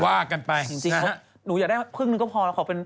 ว่ากันไปนะฮะสิหนูอยากได้ครึ่งหนึ่งก็พอ